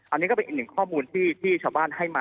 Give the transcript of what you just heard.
อันนี้ก็เป็นอีกหนึ่งข้อมูลที่ชาวบ้านให้มา